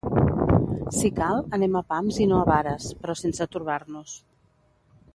Si cal, anem a pams i no a vares, però sense torbar-nos.